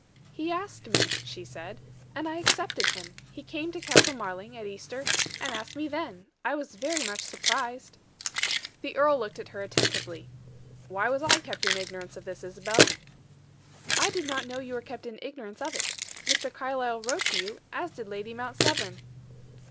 "He asked me," she said, "and I accepted him. He came to Castle Marling at Easter, and asked me then. I was very much surprised." The earl looked at her attentively. "Why was I kept in ignorance of this, Isabel?" "I did not know you were kept in ignorance of it. Mr. Carlyle wrote to you, as did Lady Mount Severn."